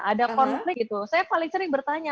ada konflik itu saya paling sering bertanya